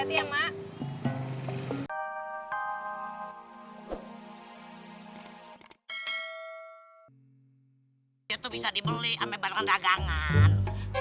itu bisa dibeli ame bala dagangan